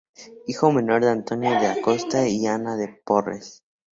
Hijo menor de Antonio de Acosta y Ana de Porres.